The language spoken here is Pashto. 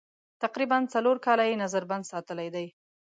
تقریباً څلور کاله یې نظر بند ساتلي دي.